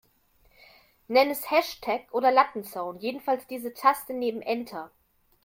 Nenn es Hashtag oder Lattenzaun, jedenfalls diese Taste neben Enter.